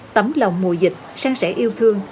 tấm lòng mùa dịch sang sẻ yêu thương